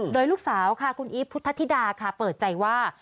โดยลูกสาวคุณอีพุทธธิดาเปิดใจว่า